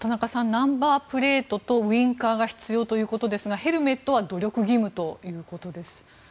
ナンバープレートとウィンカーが必要ということですがヘルメットは努力義務ということです。